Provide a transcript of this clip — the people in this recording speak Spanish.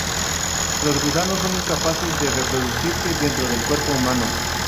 Los gusanos son incapaces de reproducirse dentro del cuerpo humano.